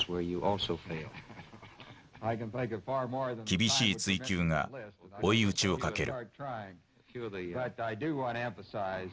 厳しい追及が追い打ちをかける。